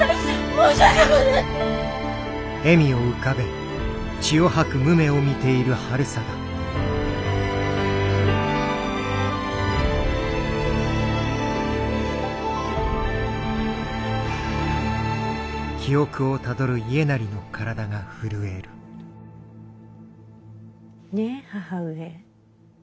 申し訳ござい！ねぇ母上。